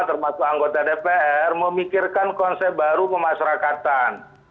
termasuk anggota dpr memikirkan konsep baru pemasyarakatan